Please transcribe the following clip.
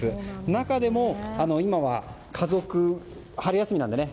中でも、今は春休みなのでね